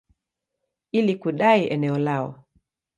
ili kudai eneo lao.